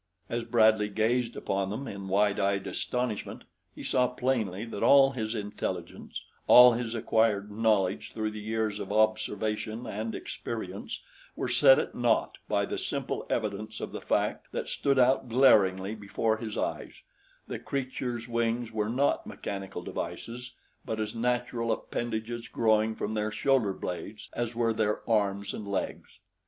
As Bradley gazed upon them in wide eyed astonishment, he saw plainly that all his intelligence, all his acquired knowledge through years of observation and experience were set at naught by the simple evidence of the fact that stood out glaringly before his eyes the creatures' wings were not mechanical devices but as natural appendages, growing from their shoulderblades, as were their arms and legs.